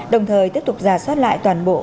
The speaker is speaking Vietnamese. đồng thời tiếp tục giả soát lại toàn bộ